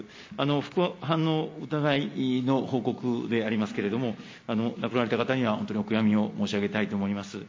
副反応疑いの報告でありますけれども、亡くなられた方には本当にお悔やみを申し上げたいと思います。